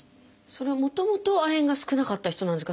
それはもともと亜鉛が少なかった人なんですか？